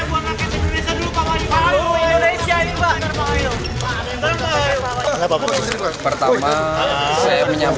kok masalahnya bukan masalah problem upang